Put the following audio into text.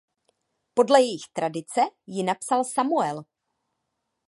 Podle jejich tradice ji napsal Samuel.